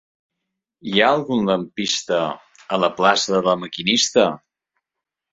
Hi ha algun lampista a la plaça de La Maquinista?